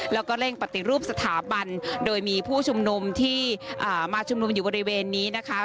แล้วก็เร่งปฏิรูปสถาบันโดยมีผู้ชุมนุมที่มาชุมนุมอยู่บริเวณนี้นะคะ